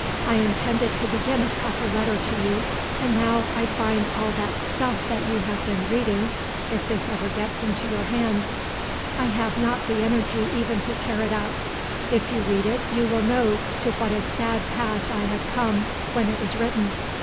I intended to begin a proper letter to you, and now I find all that stuff that you have been reading—if this ever gets into your hands. I have not the energy even to tear it up. If you read it you will know to what a sad pass I had come when it was written.